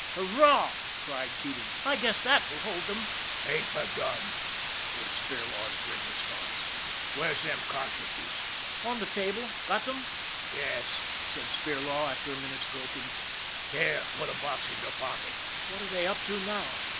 " Hurrah !" cried Keating. " I guess that will hold them." ' 'Tain't begun," was Spirlaw's grim response. "Where's them cartridges?" " On the table got them? "" Yes," said Spirlaw, after a minute's groping. " Here, put a box in your pocket." " What are they up to now